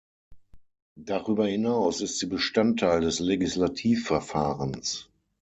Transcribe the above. Darüber hinaus ist sie Bestandteil des Legislativverfahrens.